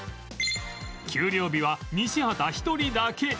給料日は西畑一人だけ